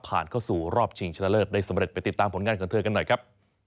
เข้าสู่รอบชิงชนะเลิศได้สำเร็จไปติดตามผลงานของเธอกันหน่อยครับ